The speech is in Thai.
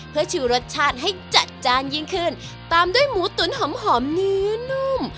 เพื่อชูรสชาติให้จัดจ้านยิ่งขึ้นตามด้วยหมูตุ๋นหอมหอมเนื้อนุ่ม